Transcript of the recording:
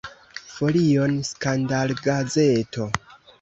Folion skandalgazeto.